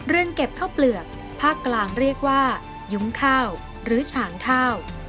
เก็บข้าวเปลือกภาคกลางเรียกว่ายุ้งข้าวหรือฉางข้าว